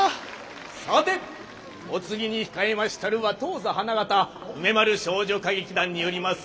さてお次に控えましたるは当座花形梅丸少女歌劇団によります